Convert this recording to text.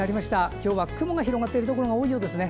今日は雲が広がっているところが多いようですね。